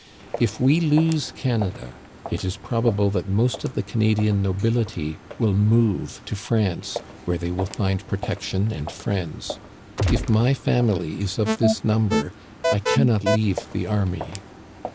If we lose Canada, it is probable that most of the Canadian nobility will move to France, where they will find protection and friends. If my family is of this number I can not leave the army.